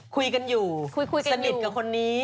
คุยกันอยู่สนิทกับคนนี้